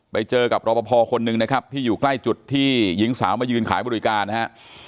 ไปเจอกับรอปภคนหนึ่งนะครับที่อยู่ใกล้จุดที่หญิงสาวมายืนขายบริการนะฮะ